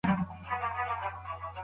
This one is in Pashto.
موږ د موبایل لپاره هم اسانتیا لرو.